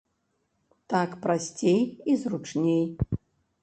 Так прасцей і зручней.